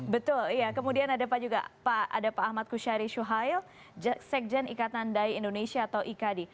betul kemudian ada pak ahmad khusyari syuhail sekjen ikatan dai indonesia atau ikdi